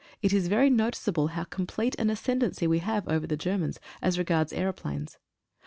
It is very noticeable how complete an ascen dency we have over the Germans, as regards aeroplanes.